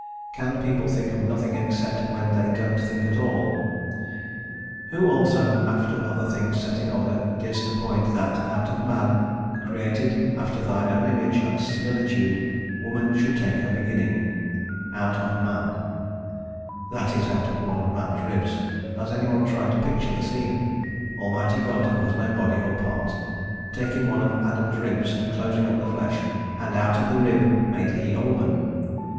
"can people think of nothing except when they don't think at all?" who also (after other things set in order) didst appoint that out of man (created after thine own image and similitude) woman should take her beginning:" "out of man," that is out of one of man's ribs; has any one tried to picture the scene: Almighty God, who has no body nor parts, taking one of Adam's ribs, and closing up the flesh, and "out of the rib made he a woman."